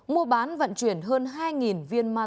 mua bán vận chuyển hơn hai viên ma